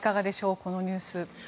このニュース。